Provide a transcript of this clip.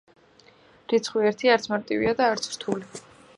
რიცხვი ერთი არც მარტივია და არც რთული.